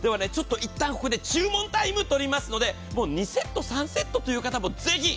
いったんここで注文タイムとりますので、２セット、３セットという方もぜひ。